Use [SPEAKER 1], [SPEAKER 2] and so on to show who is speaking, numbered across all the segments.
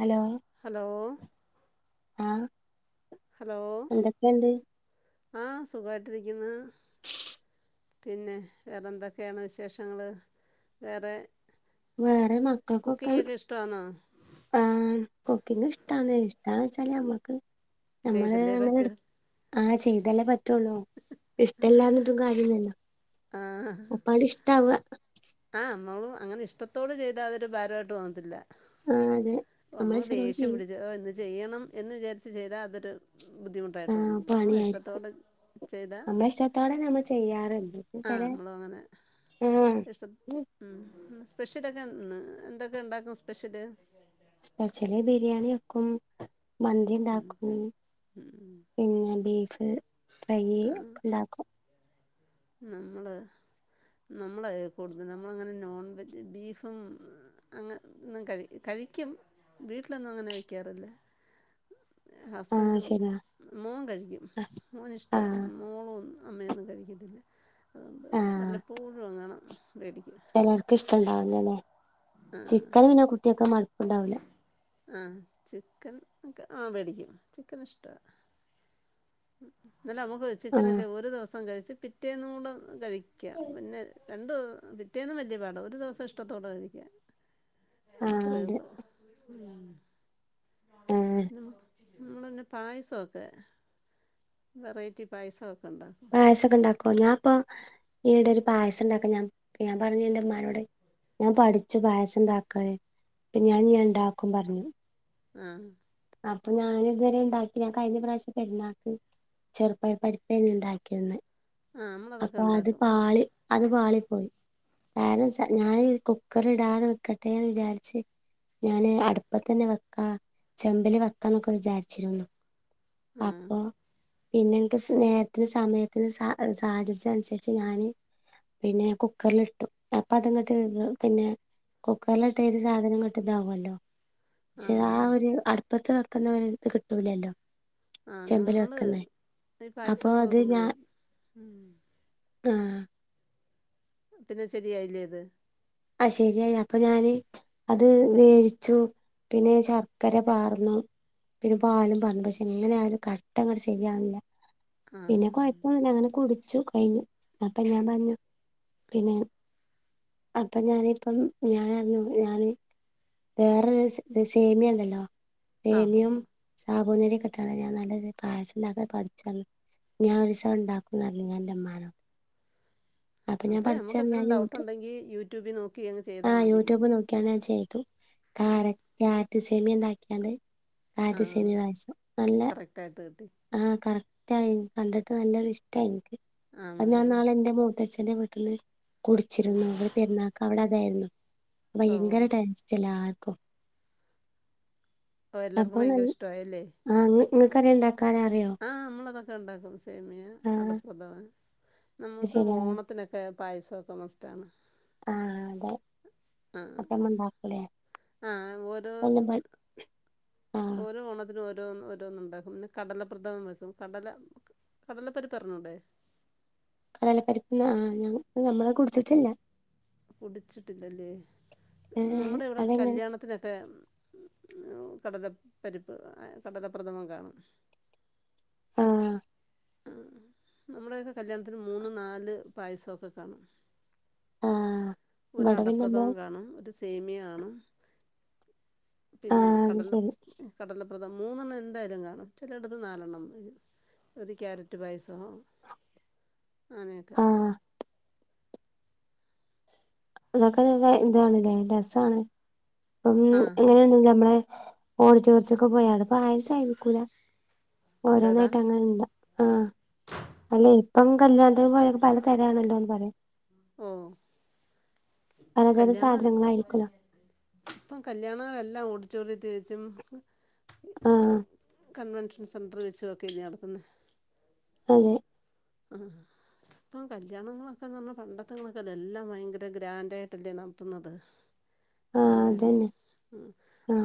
[SPEAKER 1] Hello
[SPEAKER 2] hello
[SPEAKER 1] ആഹ്
[SPEAKER 2] hello
[SPEAKER 1] എന്തൊക്കെയുണ്ട്
[SPEAKER 2] ട്ടിരിക്കുന്നു പിന്നെ വേറെ എന്തൊക്കെയാണ് വിശേഷങ്ങള് വേറെ
[SPEAKER 1] വേറെ മക്കക്കൊക്കെ
[SPEAKER 2] കുക്കിങ്ങൊക്കെ ഇഷ്ടമാണോ
[SPEAKER 1] ആഹ് കുക്കിംഗ് ഇഷ്ടം ആണ് ഇഷ്ടണുവച്ച ന്ന ഞമ്മക്ക്
[SPEAKER 2] ചെയ്തല്ലേ പറ്റു
[SPEAKER 1] ആഹ് ചെയ്തല്ലേ പറ്റ് പറ്റുള്ളൂ ഇഷ്ടം ഇല്ലാന്നിട്ടും കാര്യം ഇല്ലല്ലോ അപ്പൊ ങ്ങ്ട് ഇഷ്ടം ആവുവ
[SPEAKER 2] ആഹ് നമ്മള് അങ്ങനെ ഇഷ്ടത്തോടെ ചെയ്താൽ അത് ഒരു ഭാരം ആയിട്ട് തോന്നാത്തില്ല
[SPEAKER 1] ആഹ് അതെ നമ്മള് ഇഷ്ടത്തോടെ ചെയ്യും
[SPEAKER 2] പിടിച്ച് ഓ ഇന്ന് ചെയ്യണം എന്ന് വിചാരിച്ചു ചെയ്ത അതൊരു ബുദ്ധിമുട്ടായിട്ട്
[SPEAKER 1] ആഹ്
[SPEAKER 2] തോന്നും നമ്മൾ
[SPEAKER 1] പണി ആയിരിക്കും
[SPEAKER 2] ഇഷ്ടത്തോടെ ചെയ്താൽ
[SPEAKER 1] നമ്മള് ഇഷ്ടത്തോടെ നമ്മള് ചെയ്യാറുണ്ട് ന്ന്
[SPEAKER 2] ആ
[SPEAKER 1] വച്ചാല്
[SPEAKER 2] നമ്മളും അങ്ങനെ
[SPEAKER 1] ആഹ്
[SPEAKER 2] ഇഷ്ടം ഉം സ്പെഷ്യൽ ഒക്കെ ഇന്ന് എന്തൊക്കെ ഉണ്ടാക്കും സ്പെഷ്യല്
[SPEAKER 1] സ്പെഷ്യല് ബിരിയാണി വെക്കും മന്തി ഉണ്ടാക്കും പിന്നെ ബീഫ്, ഫ്രൈ ഒക്കെ ഉണ്ടാക്കും
[SPEAKER 2] നമ്മള് നമ്മളെ ഫുഡ്‌ നമ്മളങ്ങനെ നോൺവെജ് ബീഫ് ഉം അങ്ങനെ ഒന്നും കഴി കഴിക്കും വീട്ടിൽ ഒന്നും അങ്ങനെ വയ്ക്കാറില്ല ഹസ്ബൻഡ്
[SPEAKER 1] ആഹ്
[SPEAKER 2] ഉം
[SPEAKER 1] ശരിയാ
[SPEAKER 2] മോൻ കഴിക്കും മോനിഷ്ടമാ
[SPEAKER 1] ആഹ്
[SPEAKER 2] മോളും അമ്മേം ഒന്നും കഴിയ്ക്കത്തില്ല
[SPEAKER 1] ആഹ്
[SPEAKER 2] വല്ലപ്പോഴും എങ്ങാണം വേടിക്കും
[SPEAKER 1] ചിക്കന് പിന്നെ കുട്ടികൾക്ക് മടുപ്പുണ്ടാവില്ല
[SPEAKER 2] ആ ചിക്കൻ ആ വേടിക്കും ചിക്കൻ ഇഷ്ടവാ എന്നാലും നമുക്ക് ചിക്കൻ
[SPEAKER 1] ആഹ്
[SPEAKER 2] ഒക്കെ ഒരു ദിവസം കഴിച് ച്ച് പിറ്റേന്നുടെ കഴി യ്ക്കാം പിന്നെ രണ്ട് പിറ്റേന്ന് വലിയ പാടാ ഒരു ദിവസം ഇഷ്ടത്തോടെ കഴി ആഹ് അത്രേ ഉള്ള് അതാണ്
[SPEAKER 1] ആഹ്
[SPEAKER 2] [unintelligible] നമ്മള് ഇന്ന് പായസം ഒക്കെ വെറൈറ്റി പായസം ഒ
[SPEAKER 1] പായസം ഒക്കെ ഉണ്ടാക്കുമോ ഞാ ഇപ്പം ഈയിടെ ഒരു പായസം ഉണ്ടാകാൻ ഞാൻ ഞാൻ പറഞ്ഞു ന്റെ ഉമ്മാനോട് ഞാൻ പഠിച്ചു പായസം ഉണ്ടാക്കാന് ഇപ്പോ ഞാനിനി ഉണ്ടാക്കും ന്ന് പറഞ്ഞു
[SPEAKER 2] ആഹ്
[SPEAKER 1] അപ്പൊ ഞാൻ ഇതുവരെ ഉണ്ടാക്കി ഞാൻ കഴിഞ്ഞ പ്രാവശ്യം പെരുന്നാക്ക് ചെറുപ്പ പരിപ്പന്നെ ഉണ്ടാക്കിന്ന്
[SPEAKER 2] ആഹ് നമ്മളതൊക്കെ
[SPEAKER 1] അപ്പൊ അത്
[SPEAKER 2] ഉണ്ടാക്കും
[SPEAKER 1] പാളി [inaudible] അത് പാളി പോയി കാരണം ഞാൻ കുക്കർ ഇടാതെ നിൽക്കട്ടെ ന്ന് വിചാരിച്ച് ഞാന് അടുപ്പത്തന്നെ വെ ആ ചെമ്പിലി വെക്കാന്നൊക്കെ വിചാരിച്ചിരുന്നു
[SPEAKER 2] ആഹ്
[SPEAKER 1] അപ്പോ പിന്നെ എനിക്ക് നേരത്തിന് സമയത്തിന് സ സാഹചര്യം അനുസരിച്ച് ഞാന് പിന്നെ കുക്കറിലിട്ടുംഅപ്പൊ അതങ്ങോട്ട് പിന്നെ കുക്കറില് ഇട്ട്
[SPEAKER 2] പക്ഷെ
[SPEAKER 1] ഏത് സാധനം കിട്ടും ഇതാവൂല്ലോ പക്ഷെ ആ
[SPEAKER 2] ആഹ്
[SPEAKER 1] ഒരു അടുപ്പത്ത് വെക്കുന്ന ഒരു ഇത് കിട്ടൂലല്ലോ
[SPEAKER 2] ആഹ്
[SPEAKER 1] ചെമ്പിൽ
[SPEAKER 2] നമ്മള്
[SPEAKER 1] വെക്കുന്ന
[SPEAKER 2] ഈ
[SPEAKER 1] അപ്പൊ
[SPEAKER 2] പായസമൊക്കെ
[SPEAKER 1] അത്
[SPEAKER 2] വെക്കുമ്പോഴേ ഉം
[SPEAKER 1] ആ
[SPEAKER 2] പിന്നെ ശെരിയായില്ലേ അത്
[SPEAKER 1] ആ ശരിയായി അപ്പൊ ഞാന് അത് മേവിച്ചു പിന്നെ ശർക്കര പാർന്നു പിന്നെ പാലും പറഞ്ഞു പക്ഷെ എങ്ങനെ ആ ഒരു കഷ്ടംങ്ങട്ട ശെരിയാണില്ല പിന്നെ
[SPEAKER 2] ആഹ്
[SPEAKER 1] കൊഴപ്പില്ല അങ്ങനെ കുടി ച്ചു കഴിഞ്ഞു അപ്പം ഞാൻ പറഞ്ഞു പിന്നെ അപ്പൊ ഞാനിപ്പം ഞാൻറിഞ്ഞു ഞാാന് വേറൊരു സേമിയുണ്ടല്ലോ
[SPEAKER 2] ആഹ് ഹോ
[SPEAKER 1] സേമ്യം
[SPEAKER 2] ഹോ
[SPEAKER 1] സാബോനരി [unintelligible] ഞാൻ നല്ല രീതിയിൽ പായസം ഉണ്ടാക്ക പഠിച്ചു ഞാൻ ഒരൂസം ഉണ്ടാക്കുംന്ന് പറഞ്ഞു ഞാനെന്റെ ഉമ്മാനോട് അപ്പൊ ഞാൻ
[SPEAKER 2] അത് നമുക്ക് എന്തെങ്കിലും ഡൗട്ട്
[SPEAKER 1] പഠിച്ചെറഞ്ഞാങ്ങൂട്ട്
[SPEAKER 2] ഉണ്ടെങ്കിൽ യൂട്യൂബിൽ നോക്കിങ്ങ് ചെയ്താൽ മതി
[SPEAKER 1] നോക്കിയാണ് ഞാൻ ചെയ്തു
[SPEAKER 2] ആഹ്
[SPEAKER 1] കാര ക്യാൻ സേമിയ ഉണ്ടാക്കിയാണ്ട്
[SPEAKER 2] ആഹ്
[SPEAKER 1] ആദ്യസേമി വായസം നല്ല
[SPEAKER 2] കറക്റ്റായിട്ട് കിട്ടി
[SPEAKER 1] ആ കറക് ഇഷ്ടായി കണ്ടിട്ട് നല്ലൊരു ഇഷ്ടായി എനിക്ക് അ ഞാൻ
[SPEAKER 2] ആണല്ലേ
[SPEAKER 1] നാളെ എന്റെ മുഖത്ത് തേച്ച് ന്റെ വീട്ടില് കുടിച്ച് അവ പെരുന്നാാക്ക അവവിടെ അതായിരുന്നു [unintelligible]
[SPEAKER 2] ഓ
[SPEAKER 1] ഭയങ്കര ടെൻഷനിലാണ് [unintelligible]
[SPEAKER 2] ഓ എല്ലാർക്കും ഭയങ്കര ഇഷ്ടവായല്ലേ
[SPEAKER 1] നിങ്ങൾക്കറിയണ്ട
[SPEAKER 2] ആഹ് നമ്മളതൊക്കെ ഉണ്ടാക്കും സേമിയ
[SPEAKER 1] ആ
[SPEAKER 2] അടപ്രദമൻ
[SPEAKER 1] അത്
[SPEAKER 2] നമുക്ക്
[SPEAKER 1] ശരിയാ
[SPEAKER 2] ഓണത്തിനൊക്കെ പായസക്കെ മസ്റ്റാണ്
[SPEAKER 1] ആഅതെ
[SPEAKER 2] ആഹ്
[SPEAKER 1] അപ്പ നമ്മൾ ഉണ്ടാക്കുലേ
[SPEAKER 2] ആഹ് ഓരോ
[SPEAKER 1] [unintelligible]
[SPEAKER 2] ഓരോ ഓണത്തിനും ഒരേ ഒരേ ഓരോന് ഉണ്ടാക്കും പിന്നെ കടലപ്രഥമം വെക്കും കടല കടലപ്പരിപ്പ് അറിഞ്ഞുടെ
[SPEAKER 1] കടലപ്പരിപ്പ് ആ നമ്മളെ കൊടിച്ചിട്ടില്ല
[SPEAKER 2] കുടിച്ചിട്ടില്ലല്ലേ
[SPEAKER 1] ഏഹ്
[SPEAKER 2] നമ്മുടെ ഇവിടെക്കെ
[SPEAKER 1] അതെങ്ങനെ
[SPEAKER 2] കല്യാണത്തിനൊക്കെ കടല പരിപ്പ് കടലപ്രഥമം കാണും
[SPEAKER 1] ആ
[SPEAKER 2] അ നമ്മുടെയൊക്കെ കല്യാണത്തിന് മൂന്ന് നാല് പായസമൊക്കെ കാണും
[SPEAKER 1] ആഹ്
[SPEAKER 2] ഒരു
[SPEAKER 1] ഇവിടെ പിന്നെ
[SPEAKER 2] അടപ്രദമൻ
[SPEAKER 1] നമ്മള്
[SPEAKER 2] കാണും ഒരു സേമിയകാണും പിന്നെ
[SPEAKER 1] ആഹ് അത്
[SPEAKER 2] കടല
[SPEAKER 1] ശരി
[SPEAKER 2] കടല മൂന്നെണ്ണം എന്തായാലും കാണും ചില ഇടത്ത് നാലെണ്ണം ഒരു ക്യാരറ്റ് പായസം അങ്ങനെയൊക്കെ
[SPEAKER 1] ആഹ് അതൊക്കെ [unintelligible] ഇതാണ്ല്ലേ രസാണ് അപ്പം
[SPEAKER 2] ആ ആ
[SPEAKER 1] എങ്ങനെയാണങ്കി നമ്മളെ ഓഡിറ്റൊരിയത്ത്ക്ക് പൊയാണ് പായസായി നിക്കൂല
[SPEAKER 2] എന്താടാ
[SPEAKER 1] ഓരോന്നായിട്ട് അങ്ങനെ ഇണ്ട അ അല്ലെ ഇപ്പം കല്യാണം ത്തിന് പോയാൽ പല തരയാണല്ലോന്ന് പറയാം
[SPEAKER 2] കല്യാണ ഇപ്പ കല്യാണല്ലാം ഓഡിറ്റോറിയത്തി വച്ചും
[SPEAKER 1] ആ
[SPEAKER 2] കൺവെൻഷൻ സെന്ററിൽ വെച്ച് ഒക്കെ നടത്തുന്നെ
[SPEAKER 1] അതെ
[SPEAKER 2] അ ഇപ്പ കല്യാണങ്ങളൊക്കെന്ന് പറഞ്ഞാ പണ്ടത്തങ്ങളൊക്കെല്ല എല്ലാം ഭയങ്കര ഗ്രാൻഡായിട്ടല്ലേ നടത്തുന്നത്
[SPEAKER 1] ആഹ്
[SPEAKER 2] എല്ലാരും
[SPEAKER 1] അതന്നെ
[SPEAKER 2] ഉ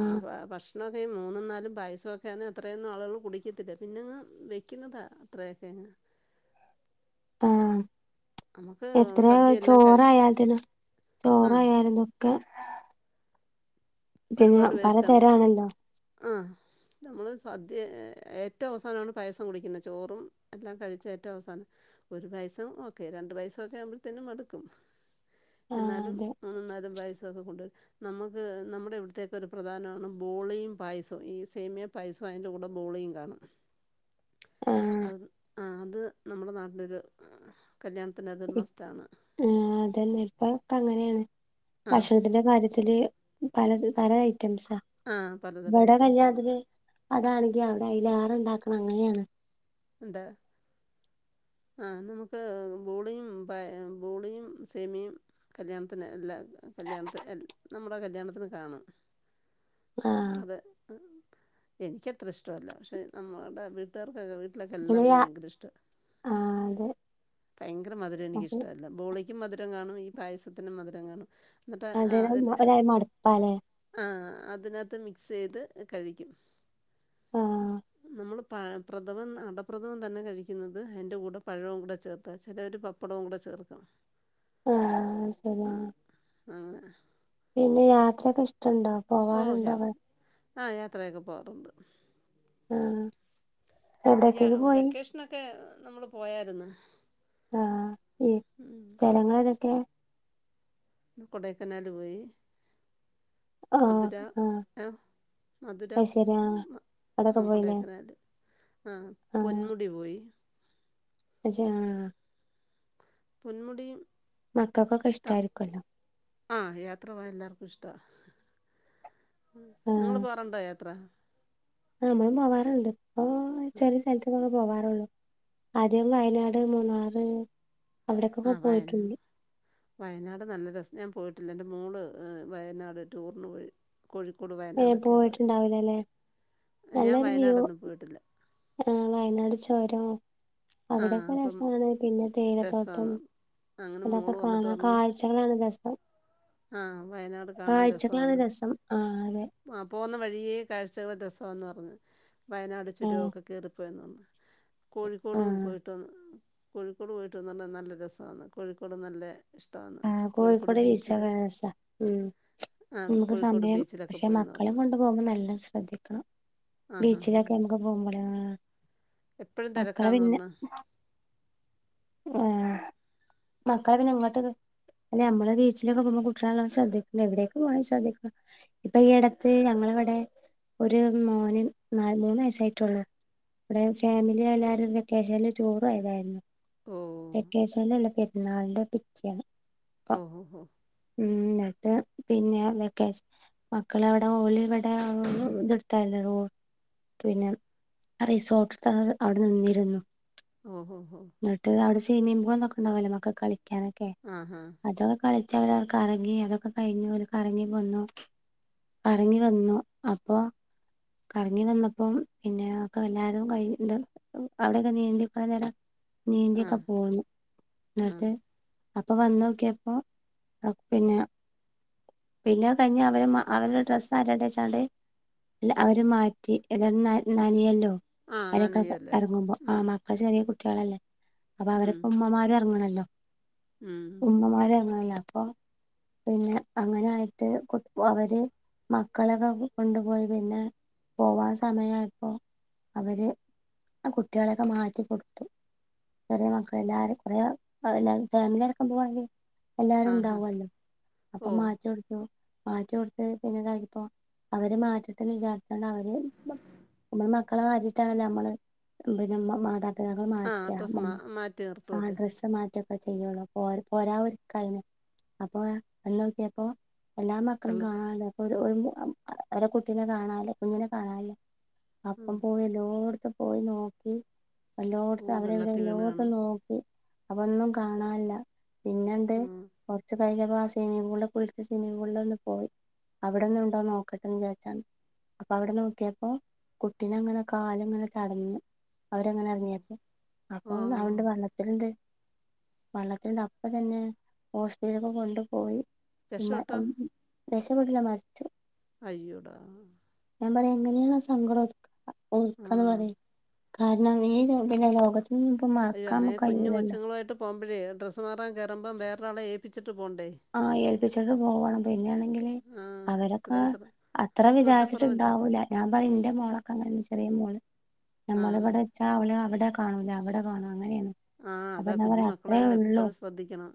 [SPEAKER 2] ആ ഭക്ഷ ടൊക്കെ മൂന്നും നാലും പായസമൊക്കെ അത്രയൊന്നും ആളുകൾ കുടിക്കത്തില്ല പിന്നെങ്ങ് വെക്കുന്നതാ അത്രയൊക്കെങ്ങ്
[SPEAKER 1] ആ
[SPEAKER 2] നമുക്ക്
[SPEAKER 1] എത്രയാ
[SPEAKER 2] സദ്യ എല്ലാം കഴി
[SPEAKER 1] ചോറായാൽതന്നെ
[SPEAKER 2] ആഹ്
[SPEAKER 1] ചോറയാൽ തെക്കെ പിന്നെ
[SPEAKER 2] ഒരുപാട്
[SPEAKER 1] പലതരം ആണല്ലോ
[SPEAKER 2] നമ്മള് സദ്യ ഏറ്റവും അവസാനമാണ് പായസം കുടിക്കുന്നത് ചോറും എല്ലാം കഴിച്ച ഏറ്റവും അവസാനം ഒരു പായസം ഒക്കെ രണ്ട് പായസമൊക്കെ ആകുമ്പോഴത്തേനും മടുക്കും
[SPEAKER 1] ആ
[SPEAKER 2] എന്നാലും
[SPEAKER 1] അതെ
[SPEAKER 2] മൂന്നും നാലും പായസൊക്കെ കൊണ്ടുവരും നമ്മുക്ക് നമ്മുടെ ഇവിട ത്തേക്ക്‌ ഒരു പ്രധാനാണ് ബോളിയും പായസൊ ഈ സേമിയ പായസൊ അയ്ൻ്റെ കൂടെ ബോളിയും കാണും
[SPEAKER 1] ആഹ്
[SPEAKER 2] ആഹ് അത് നമ്മുടെ നാട്ടിലൊരു ഏഹ്
[SPEAKER 1] ഇപ് ആഹ് അതന്നെ ഇപ്പതൊക്കെ അങ്ങനേണ്
[SPEAKER 2] ആ
[SPEAKER 1] ഭക്ഷണത്തിന്റെ കാര്യത്തില് പലത് തരായ് റ്റംസാ
[SPEAKER 2] ആ പലതരം
[SPEAKER 1] ഇവടെ
[SPEAKER 2] ഐറ്റംസാണ്
[SPEAKER 1] കല്യാണത്തിന് അതാണ് [unintelligible] അവിടെ അയിലേറെണ്ടാക്കണം അങ്ങനെയാണ്
[SPEAKER 2] എന്താ ആഹ് നമുക്ക് ബോളിയും പാ ബോളിയും സേമിയും കല്യാണത്തിന് എല്ലാ കല്യാണത്തിന് എല്ലാ നമ്മുടെ കല്യാണത്തിന് കാണും
[SPEAKER 1] ആഹ്
[SPEAKER 2] അതെ ഉം എനിക്ക് അത്ര ഇഷ്ടല്ല പക്ഷെ നമ്മുടെ വീട്ടുകാർക്കൊക്കെ [unintelligible]
[SPEAKER 1] പിന്നെ
[SPEAKER 2] എല്ലാർക്കും
[SPEAKER 1] ആ
[SPEAKER 2] ഭയങ്കര ഇഷ്ട
[SPEAKER 1] അതെ
[SPEAKER 2] ഭയങ്കര മധുരം എനിക്ക്‌ ഇഷ്ടല്ല ബോളി മധുരം കാണും ഈ പായസത്തിന് മധുരം കാണും. എന്നിട്ട്
[SPEAKER 1] അത
[SPEAKER 2] ആ ഒരു
[SPEAKER 1] [unintelligible] ഒ [unintelligible] മടുപ്പാലേ?
[SPEAKER 2] ആ അതിനകത്ത് മിക്സ് ചെയ്ത് കഴിക്കും.
[SPEAKER 1] ആഹ
[SPEAKER 2] നമ്മൾ പഴ പ്രഥമം അടപ്രദവും തന്നെ കഴിക്കുന്നത് അതിന്റെ കൂടെ പഴവും കൂടെ ചേർത്താ ചിലവര് പപ്പടവും കൂടെ ചേർക്ക
[SPEAKER 1] ആഹ ശരി
[SPEAKER 2] ആഹ
[SPEAKER 1] പിന്നെ യാത്ര ക ണ്ടാ പോകാനുണ്ട അവ
[SPEAKER 2] ആഹ യാത്രയൊക്കെ പോവാറുണ്ട്.
[SPEAKER 1] ആഹ് എവിടേക്കൊക്കെ പോയി
[SPEAKER 2] വെക്കേഷനക്കെ നമ്മള് പോയര്ന്ന്.
[SPEAKER 1] ആഹ ഈ സ്ഥലങ്ങളതൊക്കെ.
[SPEAKER 2] കൊടക്കനാല് പോയി.
[SPEAKER 1] ആഹ്
[SPEAKER 2] മധുര
[SPEAKER 1] ആഹ്
[SPEAKER 2] ആഹ മധുര
[SPEAKER 1] അത് ശരി ആഹ് അതൊക്കെ
[SPEAKER 2] ആഹ
[SPEAKER 1] പോയില്ലേ
[SPEAKER 2] കൊടയക്കനാൽ ആഹ പൊന്മുടി പോയി.
[SPEAKER 1] ആഹാ
[SPEAKER 2] പൊന്മുടി
[SPEAKER 1] മക്കൾക്കൊക്കെ ഇഷ്ടമായിരിക്കല്ലോ?
[SPEAKER 2] ആ യാത്ര പോകാൻ എല്ലാർക്കും ഇഷ്ട്ടാ നിങ്ങൾ പോകാറുണ്ടോ യാത്ര
[SPEAKER 1] ആ നമ്മളും പോവാറുണ്ട് നി ചെറി സ്ഥലത്ത്ക്കൊക്കെ പോവാറുള്ളു ആദ്യം വയനാട് മൂന്നാർ
[SPEAKER 2] ആ വയനാട് വയനാട് നല്ല രസ ഞാൻ പോയി ട്ടില്ല എൻ്റെ മോൾ വയനാട് ടൂറിനു പോയി കോഴിക്കോട് വയനാട്
[SPEAKER 1] ഏഹ്
[SPEAKER 2] ഒക്കെ പോയത്
[SPEAKER 1] പോയിട്ടുണ്ടാവില്ലല്ലേ
[SPEAKER 2] ഞാൻ വയനാട് ഒന്നും പോയിട്ടില്ല
[SPEAKER 1] ആ വയനാട് ചൊരം
[SPEAKER 2] ആ
[SPEAKER 1] അവിടെ ഒക്കെ
[SPEAKER 2] അപ്പം
[SPEAKER 1] രസാണ് പിന്നെ
[SPEAKER 2] രസമാന്ന്
[SPEAKER 1] തേയിലതോട്ടും
[SPEAKER 2] പറഞ്ഞു അങ്ങനെ
[SPEAKER 1] അതൊക്കെ
[SPEAKER 2] മോള് വന്നിട്ട്
[SPEAKER 1] കാണാ
[SPEAKER 2] പറഞ്ഞു
[SPEAKER 1] കാഴ്ചകളാണ് രസം
[SPEAKER 2] ആ വയനാട് കാണാൻ
[SPEAKER 1] കാഴ്ചകളാണ്
[SPEAKER 2] രസവാണ്
[SPEAKER 1] രസം ആഹ് അതെ
[SPEAKER 2] പോകുന്ന വഴിയേ കാഴ്ചകൾ രസ വാന്ന് പറഞ്ഞ് വയനാട് ചുരം
[SPEAKER 1] ആഹ്
[SPEAKER 2] ഒക്കെ കേറി പോയെന്ന് പറഞ്ഞു കോഴിക്കോടും
[SPEAKER 1] ആഹ്
[SPEAKER 2] പോയിട്ട് വന്ന് കോഴിക്കോട് പോയിട്ട് വന്ന് പറഞ്ഞു നല്ല രസാന്ന് കോഴിക്കോട് നല്ലെ ഇഷ്ട്ടവാന്ന്
[SPEAKER 1] ആഹ്
[SPEAKER 2] കോഴിക്കോട് ബീച്ചില്
[SPEAKER 1] ബീച്ചൊക്കെ രസാ ഉം നമുക്ക്
[SPEAKER 2] കോഴിക്കോട്
[SPEAKER 1] സമയം
[SPEAKER 2] ബീച്ചിലൊക്കെ
[SPEAKER 1] പക്ഷെ
[SPEAKER 2] പോയെന്ന്
[SPEAKER 1] മക്കളീം
[SPEAKER 2] പറഞ്ഞു
[SPEAKER 1] കൊണ്ടുപോകുമ്പോ നല്ലോം ശ്രദ്ധിക്കണം
[SPEAKER 2] ആ ഹാ
[SPEAKER 1] ബീച്ചിൽ
[SPEAKER 2] ഹാ
[SPEAKER 1] ഒക്കെ നമ്മക്ക് പോകുമ്പളെ ആ
[SPEAKER 2] എപ്പോഴും
[SPEAKER 1] മക്കളെ
[SPEAKER 2] തിരക്കാന്ന്
[SPEAKER 1] പിന്നെ
[SPEAKER 2] പറഞ്ഞു
[SPEAKER 1] ആ മക്കളെ പിന്നെ ഇങ്ങട്ട് അല്ല ഞമ്മൾ ബീച്ചിൽ ഒക്കെ പോകുമ്പോ കുട്ടികളെ നല്ലോം ശ്രദ്ധിക്കണം എവിടേക്ക് പോകാണേലും ശ്രദ്ധിക്കണം ഇപ്പൊ ഈ എടത്ത് ഞങ്ങളെ ഇവടെ ഒരു മോന് നാല് മൂന്നു വയസ്സായിട്ടൊള്ളു ഇവടെ
[SPEAKER 2] ഉം.
[SPEAKER 1] ഫാമിലി എല്ലാരും ഒര് വെക്കേഷൻല് ടൂർ പോയതായിരുന്നു
[SPEAKER 2] ഓ
[SPEAKER 1] വെ വക്കേഷനിൽ അല്ല പെരുന്നാളിന്റെ പിറ്റേന്ന്
[SPEAKER 2] ഓഹൊഹൊ
[SPEAKER 1] ട്ട് പിന്നെ വെക്കേഷൻ മക്കൾ അവിടെ ഓൽ ഇവടെ മം ഇത് എടുത്തായിരുന്നു റൂ പിന്നെ റിസോർട് ഇട്ത്ത് അവിടെ നിന്നിരുന്നു
[SPEAKER 2] ഓഹൊഹൊ
[SPEAKER 1] ഇന്നട്ട് അവിടെ സ്വിമ്മിംഗ് പൂളും ഇതൊക്കെ ഇണ്ടാവല്ലോ മക്കക്ക് കളി ക്കാനൊക്കെ
[SPEAKER 2] ആ ഹാ
[SPEAKER 1] അതൊക്കെ കളിച്ച് അവര് കറങ്ങി അതൊക്കെ കയിഞ്ഞ് അവർ കറങ്ങി വന്നു കറങ്ങി വന്നു അപ്പൊ കറങ്ങി വന്നപ്പം പിന്നെ ഒക്കെ എല്ലാരും അവിടെ ഒക്കെ നീന്തി കൊറേ നേരം നീന്തി
[SPEAKER 2] ആ
[SPEAKER 1] ഒക്കെ പോന്ന് ഇന്നട്ട് അ പ്പൊ വന്നോക്കിയേപ്പം പിന്നെ പിന്നെ അത് കയിഞ്ഞ് അവർ ഡ്രസ്സ്‌ മാറ്റട്ടെ വെച്ചാണ്ട് അവർ മാറ്റി ഏതായാലും ന്നന നന്യല്ലോ
[SPEAKER 2] ആ ആ
[SPEAKER 1] അയിൽക്കൊക്കെ
[SPEAKER 2] നനയുമല്ലേ
[SPEAKER 1] എറങ്ങുമ്പം ആ മക്കൾ ചെറിയ കു കുട്ടികളല്ലേ അപ്പം അവരൊപ്പം ഉമ്മമാരും ഇറങ്ങണ [unintelligible] ഉമ്മമാര് ഇറങ്ങണോല്ലോ അപ്പം പിന്നെ അങ്ങനെ ആയിട്ട് അവര് മക്കളെയൊക്കെ കൊണ്ട് പോയി പിന്നെ പോവാൻ സമയം ആയപ്പോ അവര് കുട്ടികളെയൊക്കെ മാറ്റി കൊടുത്ത ചെറിയ മക്കൾ എല്ലാരും പറ അത് ഞാൻ ഫാമിലി അടക്കം പോവണെങ്കി
[SPEAKER 2] ആഹാ
[SPEAKER 1] എല്ലാരുണ്ടാവും അല്ലോ അപ്പൊ
[SPEAKER 2] ഓ
[SPEAKER 1] [unintelligible] മാറ്റി കൊടുത്താ പിന്നെ ദാ ഇപ്പം അവരെ മാറ്റട്ടെന്ന് വിചരിച്ചാ അവര് അമ്മടെ മക്കളെ മാറ്റിട്ടാണല്ലോ അമ്മള് പിന്നെ മ്മാത
[SPEAKER 2] ആ ഡ്രസ്സ് മാ
[SPEAKER 1] [unintelligible]
[SPEAKER 2] മാറ്റി നിർത്തുവല്ലേ
[SPEAKER 1] ഡ്രസ്സ്‌ [unintelligible] [unintelligible] എല്ലാ മക്കളേ
[SPEAKER 2] വെള്ള
[SPEAKER 1] കാണാല്ലോ [unintelligible] ഓരേ കുട്ടിനെ കാണാല്ലോ ഇപ്പം ഇങ്ങനെ കാണാല്ലോ
[SPEAKER 2] ആ
[SPEAKER 1] അപ്പം പോയി ലോങ്ങ് ഇപ്പ പോയി നോക്കി
[SPEAKER 2] ഓ
[SPEAKER 1] വല്ലോടുത്തും അവിടെ ഇവിടെ
[SPEAKER 2] വെള്ളത്തിൽ വീണ്
[SPEAKER 1] എല്ലോടുത്തു
[SPEAKER 2] കാണും
[SPEAKER 1] നോക്കി അവ ഒന്നും കാണാനില്ല
[SPEAKER 2] ആ
[SPEAKER 1] പിന്നെന്തെകുറച്ച് കയിഞ്ഞ പ്പം [unintelligible] സിമ്മിംഗ് പുളിൽ പോയി അവിടെ ഒന്ന് ഉണ്ടോന്ന് നോക്കട്ടെ എന്ന് വിചാരിച്ചാണ് അപ്പം അവിടെ നോക്കിയപ്പം കൂട്ടിനങ്ങനെ കാല് അങ്ങനെ തടഞ്ഞ്
[SPEAKER 2] ഓ
[SPEAKER 1] ടങ്ങനേറങ്ങിയപ്പോൾ അപ്പൊ
[SPEAKER 2] ആ
[SPEAKER 1] [unintelligible] വെള്ളത്തിൽണ്ട് വെള്ളത്തിന് അപ്പം തന്നെ ഹോസ്പിറ്റലിലേക്ക് കൊണ്ട് പോയി
[SPEAKER 2] രക്ഷപ്പെട്ടോ
[SPEAKER 1] [unintelligible] രക്ഷപെട്ടില്ല മരിച്ചു
[SPEAKER 2] അയ്യോടാ
[SPEAKER 1] ഞാൻ പറയു എങ്ങനയാ സങ്കടം ഒതു
[SPEAKER 2] ആ
[SPEAKER 1] ഒന്ക്ക് അത് മതി [unintelligible] ഉ ഇപ്പ മറക്കാമ്മകയുല്ലല്ലോ
[SPEAKER 2] മ്പഴേ ഡ്രസ് മാറൻ കേറുമ്പം വേറെരാളെ ഏപ്പിച്ച
[SPEAKER 1] ആഹ ഏൽപ്പിച്ചിട്ട് പോവണം പിന്നൊയല്ലേങ്കില്
[SPEAKER 2] ആ
[SPEAKER 1] അവരൊക്കെ
[SPEAKER 2] അത്രയും ശ്ര
[SPEAKER 1] അത്ര
[SPEAKER 2] ശ്രദ്ധക്കുറവല്ലേ
[SPEAKER 1] വിചാരിച്ചിട്ടുണ്ടാവൂല്ല ഞാൻ പറയും എന്റെ മോളൊക്കെ അങ്ങനണ് ചെറിയ മോള്
[SPEAKER 2] ആ
[SPEAKER 1] നമ്മളിവിടെ വെച്ച അവള് അവിടെ കാണൂല അവിടെ കാണും അങ്ങനെയാണ്
[SPEAKER 2] ആഹ
[SPEAKER 1] അപ്പൊ
[SPEAKER 2] അതാ
[SPEAKER 1] ഞാൻ
[SPEAKER 2] കുഞ്ഞു
[SPEAKER 1] പറയാ
[SPEAKER 2] മക്കളെ
[SPEAKER 1] അത്രേ
[SPEAKER 2] അങ്ങനെ
[SPEAKER 1] ഉള്ളൂ
[SPEAKER 2] എപ്പോഴും ശ്രദ്ധിക്കണം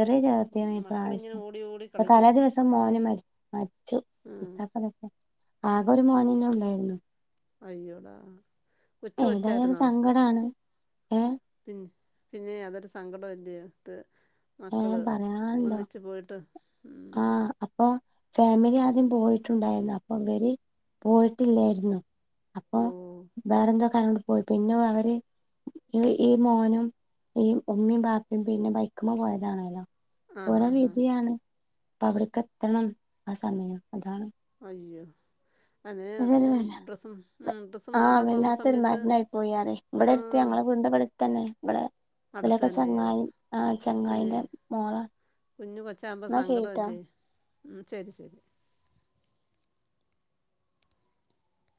[SPEAKER 1] ചെറിയ
[SPEAKER 2] ഉം,
[SPEAKER 1] ചേർത്തിയാണ് ഈ
[SPEAKER 2] മക്കളിങ്ങനെ
[SPEAKER 1] പ്രാവശ്യം
[SPEAKER 2] ഓടി ഓടി
[SPEAKER 1] ഇപ്പൊ
[SPEAKER 2] കളിക്കും
[SPEAKER 1] തലേ ദിവസം മോന് മരിച്ചു
[SPEAKER 2] ആ
[SPEAKER 1] ആകെ ഒരു മോനല്ലേ ഉണ്ടായിരുന്നു
[SPEAKER 2] അയ്യോടാ കൊച്ചുകൊച്ച് ആയിരുന്നൊ
[SPEAKER 1] ഏ
[SPEAKER 2] പിന്നെ പിന്നെ അതൊരു സങ്കടവല്ലെ
[SPEAKER 1] ഏ പറയാനുണ്ടോ
[SPEAKER 2] പോയിട്ട് ഉം
[SPEAKER 1] ആ അപ്പൊ ഫാമിലി ആദ്യം പോയിട്ടുണ്ടായിരുന്നു അപ്പൊ ഇവര് പോയിട്ടില്ലായിരുന്നു അപ്പൊ
[SPEAKER 2] ഓ
[SPEAKER 1] വേറെന്തോ യി പിന്നെ അവര് ഈ മോനും ഈ ഉമ്മയും ബാപ്പിയും പിന്നെ ബൈക്ക മ്മ പോയതാണല്ലോ
[SPEAKER 2] ആഹ്
[SPEAKER 1] പുറെ
[SPEAKER 2] ആഹ് ആഹ്
[SPEAKER 1] വിതിയാണ് അപ്പൊ അവിടക്ക എത്തണം ആ സമയം അതാണ്
[SPEAKER 2] അയ്യോ അങ്ങനെ
[SPEAKER 1] ഏ
[SPEAKER 2] ഡ്രസ്സും ഉം ഡ്രസ്സ്
[SPEAKER 1] ആഹ്
[SPEAKER 2] മാറാൻ പോകുന്ന
[SPEAKER 1] വല്ലാത്തൊരു
[SPEAKER 2] സമയത്ത്
[SPEAKER 1] മരണായി പോയി ആറേ ഇവിടെ എടുത്ത്
[SPEAKER 2] ആഹ്
[SPEAKER 1] ഞങ്ങളെ വീടിന്റ തന്നെ ഇടെ
[SPEAKER 2] അടുത്ത്
[SPEAKER 1] ഇലൊക്കെ
[SPEAKER 2] തന്നെ അയ്യോ
[SPEAKER 1] ചങ്ങായി ആ
[SPEAKER 2] പിന്നെ
[SPEAKER 1] ചങ്ങായിന്റ മോള
[SPEAKER 2] കുഞ്ഞ് കൊച്ചാകുമ്പോ
[SPEAKER 1] എന്നാ ശരീട്ടാ
[SPEAKER 2] സങ്കടമല്ലേ ഉം ശരി ശരി